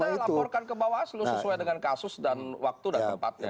dari awal kita laporkan ke bawah aslu sesuai dengan kasus dan waktu dan tempatnya